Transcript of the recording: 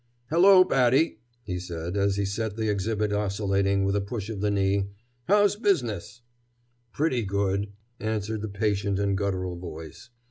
"Hello, Batty," he said as he set the exhibit oscillating with a push of the knee. "How's business?" "Pretty good," answered the patient and guttural voice.